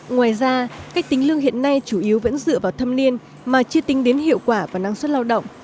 ngoài ra cách tính lương hiện nay chủ yếu vẫn dựa vào thâm niên mà chưa tính đến hiệu quả và năng suất lao động